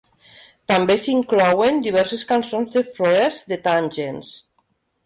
També s'inclouen diverses cançons de Froese de "Tangents".